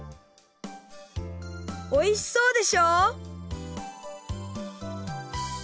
おいしそうでしょ？